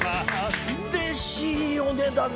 うれしいお値段ですね。